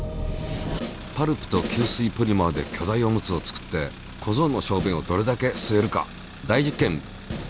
パルプと吸水ポリマーで巨大オムツを作って小僧の小便をどれだけ吸えるか大実験。